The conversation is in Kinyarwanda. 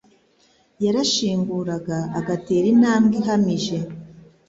Yarashinguraga agatera intambwe ihamije.